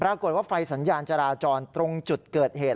ปรากฏว่าไฟสัญญาณจราจรตรงจุดเกิดเหตุ